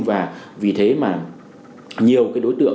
và vì thế mà nhiều cái đối tượng